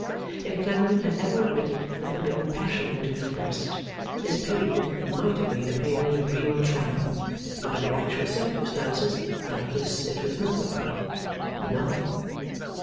If Clennam had ever admitted the forbidden passion into his breast, this period might have been a period of real trial; under the actual circumstances, doubtless it was nothing nothing.